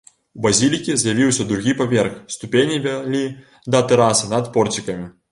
У базілікі з'явіўся другі паверх, ступені вялі да тэрасы над порцікамі.